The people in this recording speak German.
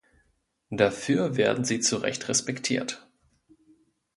Dafür werden Sie zu Recht respektiert.